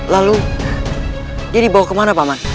lalu dia dibawa kemana pak mas